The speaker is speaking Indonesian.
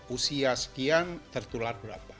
usia sekian tertular berapa